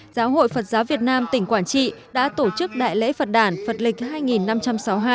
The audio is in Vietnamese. giáo hội phật giáo việt nam tỉnh quảng trị đã tổ chức đại lễ phật đàn phật lịch hai năm trăm sáu mươi hai